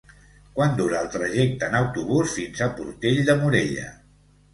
Quant dura el trajecte en autobús fins a Portell de Morella?